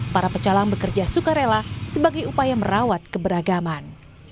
para pecalang bekerja suka rela sebagai upaya merawat keberagaman